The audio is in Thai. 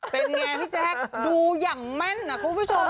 เป็นไงพี่แจ๊คดูอย่างแม่นนะคุณผู้ชม